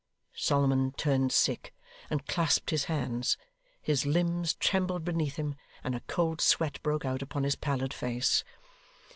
Solomon turned sick, and clasped his hands. His limbs trembled beneath him, and a cold sweat broke out upon his pallid face.